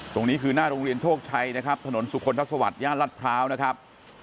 ตรงนี้คือหน้าโรงเรียนโชคชัยนะครับถนนสุคลทัศวรรคย่านรัฐพร้าวนะครับ